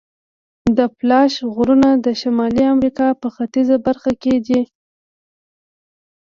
د اپالاش غرونه د شمالي امریکا په ختیځه برخه کې دي.